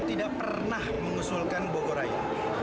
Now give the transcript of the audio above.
tidak pernah mengusulkan bogoraya